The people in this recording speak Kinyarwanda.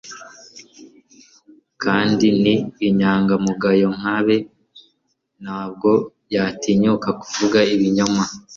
kandi ni inyangamugayo nka abe, ntabwo yatinyuka kuvuga ibinyoma